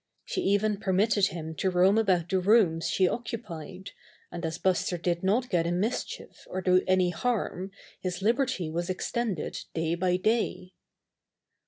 She even permitted him to roam about the rooms she occupied, and as Buster did not get in mischief or do any harm his liberty was extended day by day.